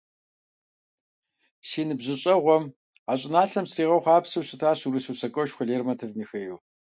Си ныбжьыщӀэгъуэм а щӀыналъэм сригъэхъуэпсауэ щытащ урыс усакӀуэшхуэ Лермонтов Михаил.